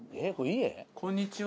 こんにちは。